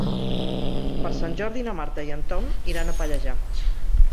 Per Sant Jordi na Marta i en Tom iran a Pallejà.